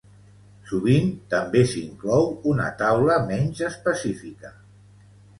Sovint, també s'inclou una taula menys específica.